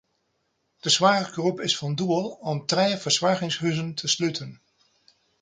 De soarchgroep is fan plan om trije fersoargingshuzen te sluten.